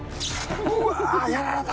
うわー！やられた。